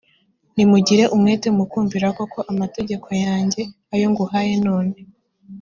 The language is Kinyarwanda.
nimugira umwete mu kumvira koko amategeko yanjye, ayo nguhaye none